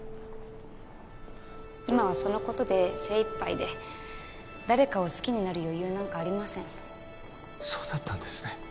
今はそのことで精いっぱいで誰かを好きになる余裕なんかありませんそうだったんですね